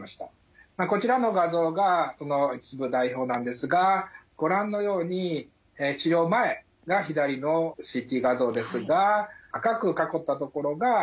こちらの画像が一部代表なんですがご覧のように治療前が左のＣＴ画像ですが赤く囲った所が原発。